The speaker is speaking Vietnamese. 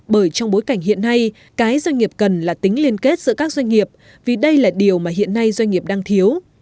bởi trong bối cảnh hiện nay cái doanh nghiệp cần là tính liên kết giữa các doanh nghiệp vì đây là điều mà hiện nay doanh nghiệp đang thiếu